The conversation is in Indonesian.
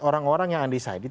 orang orang yang undecided